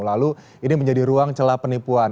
lalu ini menjadi ruang celah penipuan